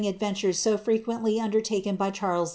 ^ adventures so frequently undertaken by Charles H.